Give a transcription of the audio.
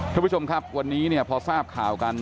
ท่านผู้ชมครับวันนี้เนี่ยพอทราบข่าวกัน